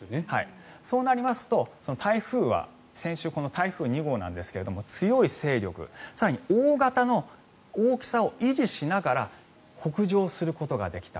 そうなりますと台風は先週、この台風２号なんですが強い勢力、更に大型の大きさを維持しながら北上することができた。